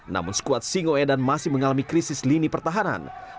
namun skuad singoedan masih mengalami krisis lini pertahanan